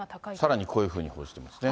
さらに、こういうふうに報じてますね。